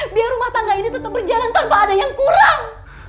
biar rumah tangga ini tetap berjalan tanpa ada yang kurang